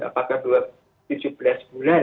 apakah tujuh belas bulan